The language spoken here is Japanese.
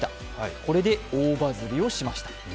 これで大バズりをしました。